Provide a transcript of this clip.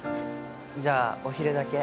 じゃあお昼だけ。